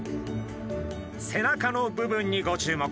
背中の部分にご注目。